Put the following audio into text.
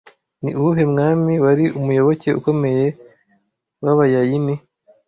Ni uwuhe mwami wari umuyoboke ukomeye w'Abayayini